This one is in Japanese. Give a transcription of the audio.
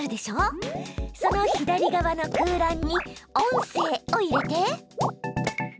その左側の空欄に「音声」を入れて。